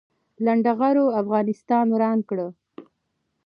لنډغرو افغانستان وران کړ